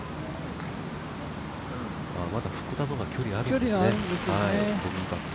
まだ、福田の方が距離があるんですね、ボギーパット。